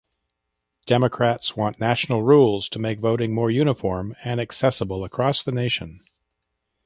Democrats want national rules to make voting more uniform and accessible across the nation.